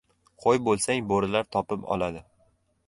• Qo‘y bo‘lsang bo‘rilar topib oladi.